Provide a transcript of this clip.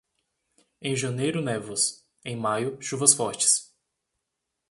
Em janeiro névoas, em maio, chuvas fortes.